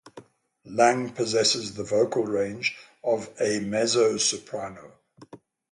Lang possesses the vocal range of a mezzo-soprano.